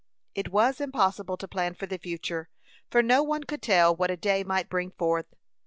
It was impossible to plan for the future, for no one could tell what a day might bring forth.